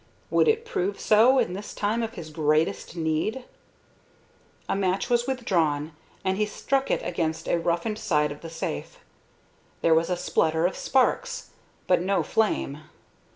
Would it prove so in this time of his greatest need? A match was withdrawn, and he struck it against a roughened side of the safe. There was a splutter of sparks, but no flame.